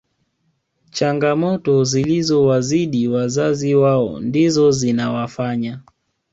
changamoto zilizowazida wazazi wao ndizo zinawafanya